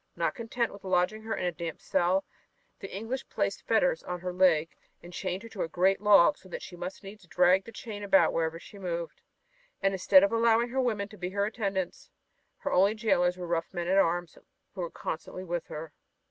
Not content with lodging her in a damp cell, the English placed fetters on her leg and chained her to a great log so that she must needs drag the chain about whenever she moved. And instead of allowing her women to be her attendants, her only jailers were rough men at arms, who were constantly with her.